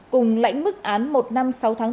cùng lãnh mức án một năm sáu tháng